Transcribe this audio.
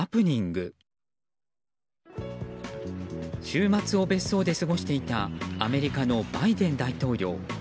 週末を別荘で過ごしていたアメリカのバイデン大統領。